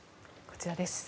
こちらです。